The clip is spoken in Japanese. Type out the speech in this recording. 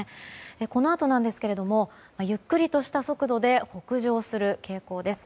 このあとなんですがゆっくりとした速度で北上する傾向です。